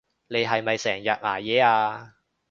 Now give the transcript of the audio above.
你係咪成日捱夜啊？